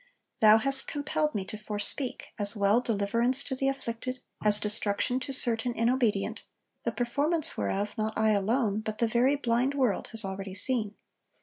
Thou hast compelled me to forespeak, as well deliverance to the afflicted, as destruction to certain inobedient, the performance whereof, not I alone, but the very blind world has already seen.